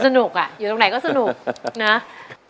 ร้องได้ให้ร้อง